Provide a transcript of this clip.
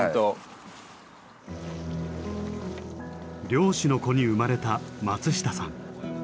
漁師の子に生まれた松下さん。